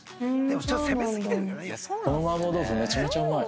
この麻婆豆腐めちゃめちゃうまい。